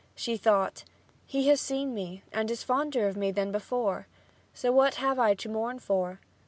she thought, "He has seen me and is fonder of me than before. So what have I to mourn for?"